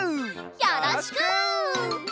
よろしく！